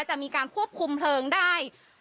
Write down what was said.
จะมีการควบคุมเพลิงได้